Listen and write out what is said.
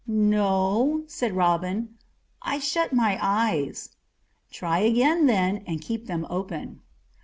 "No," said Robin; "I shut my eyes." "Try again then, and keep them open."